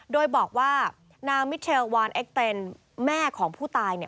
โดยบอกว่านางมิเทลวานเอ็กเต็นแม่ของผู้ตาย